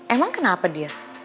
emang kenapa dia